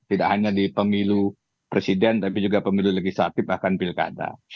tidak hanya di pemilu presiden tapi juga pemilu legislatif bahkan pilkada